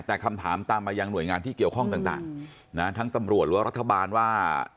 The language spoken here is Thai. แต่คำถามตามมายังหน่วยงานที่เกี่ยวข้องต่างนะทั้งตำรวจหรือว่ารัฐบาลว่า